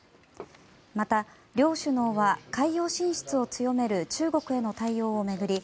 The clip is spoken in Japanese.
また、両首脳は海洋進出を強める中国への対応を巡り